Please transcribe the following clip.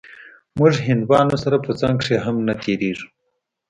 موږ هندوانو سره په څنگ کښې هم نه تېرېږو.